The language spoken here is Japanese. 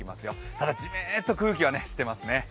ただジメッと空気はしていますね。